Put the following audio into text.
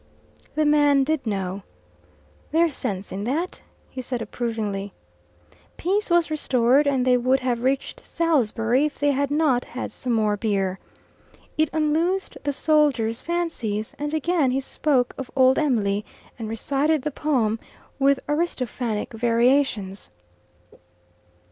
The man did know. "There's sense in that." he said approvingly. Peace was restored, and they would have reached Salisbury if they had not had some more beer. It unloosed the soldier's fancies, and again he spoke of old Em'ly, and recited the poem, with Aristophanic variations.